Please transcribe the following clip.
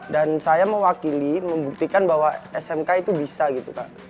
dan saya mewakili membuktikan bahwa smk itu bisa gitu kak